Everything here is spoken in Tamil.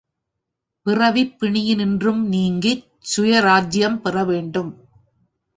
பிறவிப் பிணியினின்றும் நீங்கிச் சுயராஜ்யம் பெற வேண்டும்.